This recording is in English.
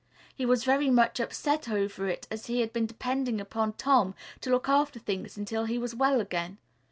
He was very much upset over it as he had been depending upon Tom to look after things until he was well again.